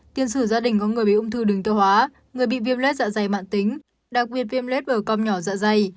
tiên sử gia đình có người bị ung thư đường tiêu hóa người bị viêm lết dạ dày mặn tính đặc biệt viêm lết bờ cong nhỏ dạ dày